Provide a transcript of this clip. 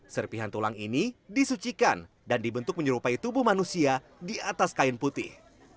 serpihan tulang ini disucikan dan dibentuk menyerupai tubuh manusia di atas kain putih